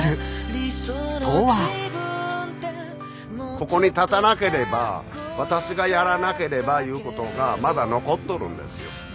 ここに立たなければ私がやらなければいうことがまだ残っとるんですよ。